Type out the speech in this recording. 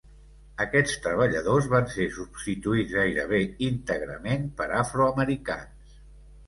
Aquests treballadors van ser substituïts gairebé íntegrament per afroamericans.